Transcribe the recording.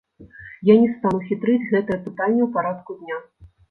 Я не стану хітрыць, гэтае пытанне ў парадку дня.